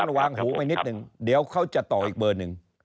วางหูไปนิดนึงเดี๋ยวเขาจะต่ออีกเบอร์หนึ่ง